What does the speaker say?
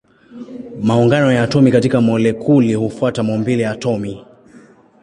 Maungano ya atomi katika molekuli hufuata maumbile ya atomi.